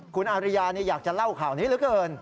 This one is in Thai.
คุณอาริยานี่อยากจะเล่าข่าวนี้หรือเปล่า